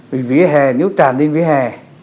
vì vỉa hè nếu tràn lên vỉa hè